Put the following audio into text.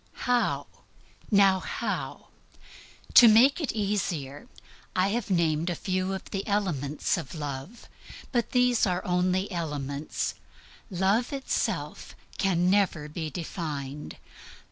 How? Now, how? To make it easier, I have named a few of the elements of love. But these are only elements. Love itself can never be defined.